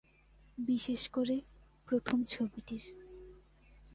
বিশেষ করে প্রথম ছবিটির।